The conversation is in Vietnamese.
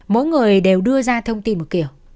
mỗi người đều đưa ra thông tin một kiểu